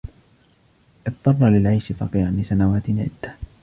اضطر للعيش فقيرا لسنوات عدة.